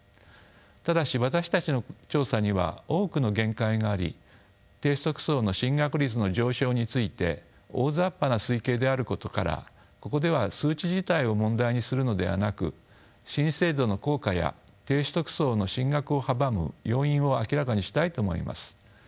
ただし私たちの調査には多くの限界があり低所得層の進学率の上昇について大ざっぱな推計であることからここでは数値自体を問題にするのではなく新制度の効果や低所得層の進学を阻む要因を明らかにしたいと思います。